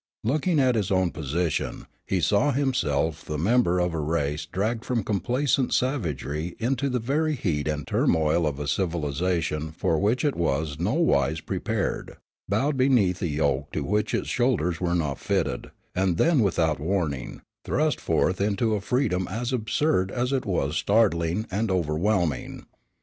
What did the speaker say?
Looking at his own position, he saw himself the member of a race dragged from complacent savagery into the very heat and turmoil of a civilization for which it was in nowise prepared; bowed beneath a yoke to which its shoulders were not fitted, and then, without warning, thrust forth into a freedom as absurd as it was startling and overwhelming.